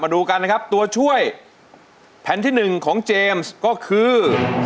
ดูกันนะครับตัวช่วยแผ่นที่๑ของเจมส์ก็คือ